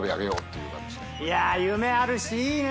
夢あるしいいね！